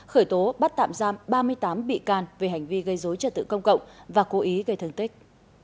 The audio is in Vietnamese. khởi tố bắt tạm giam ba mươi tám bị can về hành vi gây dối trật tự công cộng và cố ý gây thương tích